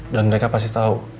dan mereka pasti tau